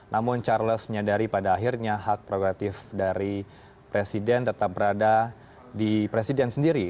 namun charles menyadari pada akhirnya hak progratif dari presiden tetap berada di presiden sendiri